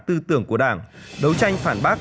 tư tưởng của đảng đấu tranh phản bác